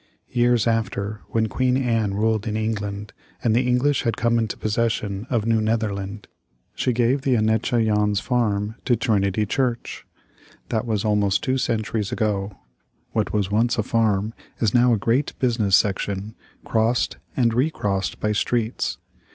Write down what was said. Years after, when Queen Anne ruled in England, and the English had come into possession of New Netherland, she gave the Annetje Jans farm to Trinity Church. That was almost two centuries ago. What was once a farm is now a great business section, crossed and recrossed by streets.